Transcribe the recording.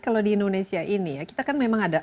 kalau di indonesia ini ya kita kan memang ada